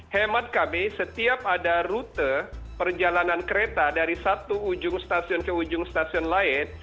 hemat kami setiap ada rute perjalanan kereta dari satu ujung stasiun ke ujung stasiun lain